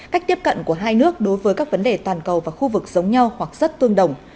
cách tiếp cận của hai nước đối với các vấn đề toàn cầu và khu vực giống nhau hoặc rất tương đồng